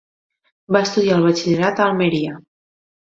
Va estudiar el batxillerat a Almeria.